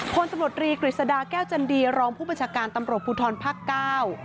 คนตำรวจรีกฤษฎาแก้วจันดีรองผู้บัญชาการตำรวจภูทรภาคเก้า